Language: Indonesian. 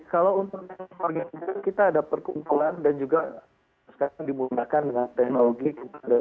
kalau untuk bagian kita kita ada perkumpulan dan juga sekarang dimulakan dengan teknologi kita